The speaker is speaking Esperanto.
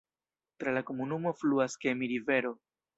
Tra la komunumo fluas Kemi-rivero.